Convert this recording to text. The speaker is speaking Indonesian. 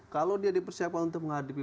kalau dia dipersiapkan untuk menghadapi